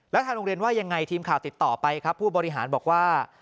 แล้วทางโรงเรียนว่ายังไงทีมข่าวติดต่อไปครับผู้บริหารบอกว่า